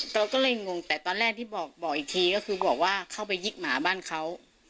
เราก็เลยงงแต่ตอนแรกที่บอกอีกทีก็คือบอกว่าเข้าไปยิกหมาบ้านเขา